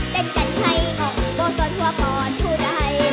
เดินกันให้หงอกโบสถ์ว่าก่อนพูดให้